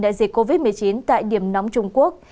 đại dịch covid một mươi chín tại điểm nóng trung quốc